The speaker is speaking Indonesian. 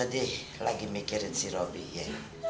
pasti lo sedih lagi mikirin si roby ya